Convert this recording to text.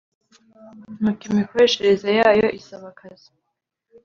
nuko imikoreshereze yayo isaba akazi